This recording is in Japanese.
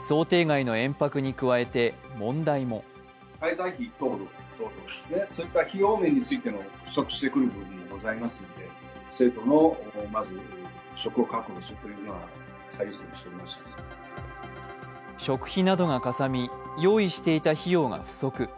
想定外の延泊に加えて問題も食費などがかさみ用意していた費用が不足。